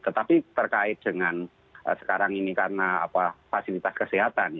tetapi terkait dengan sekarang ini karena fasilitas kesehatan